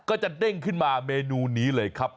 ก็จะเด้งขึ้นมาเมนูนี้เลยครับ